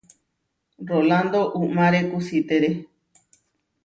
Rolando uʼmáre kusítere.